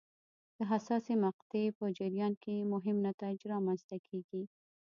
د حساسې مقطعې په جریان کې مهم نتایج رامنځته کېږي.